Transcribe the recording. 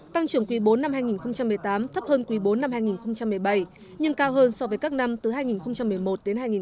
tăng trưởng quý bốn năm hai nghìn một mươi tám thấp hơn quý bốn năm hai nghìn một mươi bảy nhưng cao hơn so với các năm từ hai nghìn một mươi một đến hai nghìn một mươi bảy